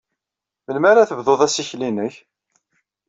Melmi ara tebdud assikel-nnek?